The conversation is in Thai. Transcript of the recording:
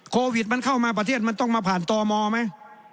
โควิดมันเข้ามาประเทศมันต้องมาผ่านตมไหม